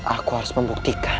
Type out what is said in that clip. aku harus membuktikan